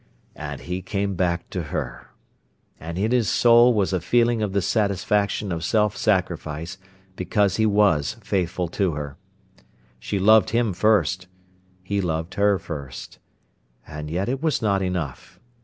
And he came back to her. And in his soul was a feeling of the satisfaction of self sacrifice because he was faithful to her. She loved him first; he loved her first. And yet it was not enough.